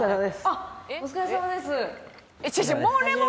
あっお疲れさまです！